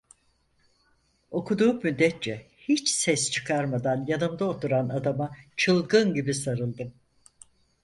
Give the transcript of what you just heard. Okuduğum müddetçe hiç ses çıkarmadan yanımda oturan adama çılgın gibi sanldım: